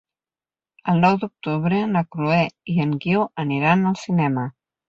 El nou d'octubre na Chloé i en Guiu aniran al cinema.